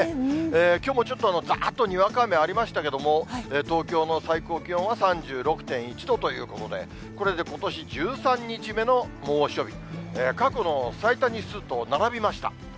きょうもちょっと、ざーっとにわか雨ありましたけれども、東京の最高気温は３６．１度ということで、これでことし１３日目の猛暑日、過去の最多日数と並びました。